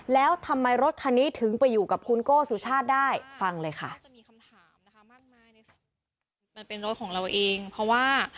แล้วทำไมรถคันนี้ถึงไปอยู่กับคุณโก้สุชาติได้ฟังเลยค่ะ